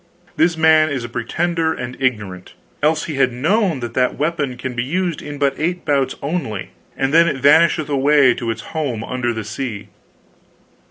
This man is a pretender, and ignorant, else he had known that that weapon can be used in but eight bouts only, and then it vanisheth away to its home under the sea."